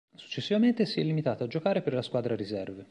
Successivamente, si è limitato a giocare per la squadra riserve.